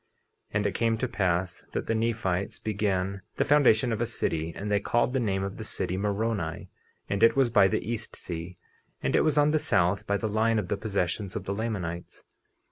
50:13 And it came to pass that the Nephites began the foundation of a city, and they called the name of the city Moroni; and it was by the east sea; and it was on the south by the line of the possessions of the Lamanites.